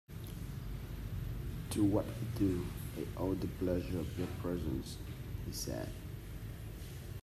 "To what do I owe the pleasure of your presence," he said.